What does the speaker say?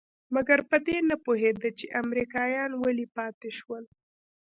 مګر په دې نه پوهېده چې امريکايان ولې پاتې شول.